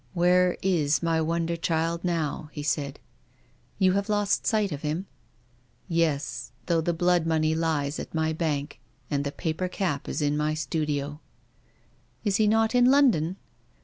" Where is my wonder child now ?" he said. "You have lost sight of him ?" "Yes — though the blood money lies at my bank and the paper cap is in my studio." " Is he not in London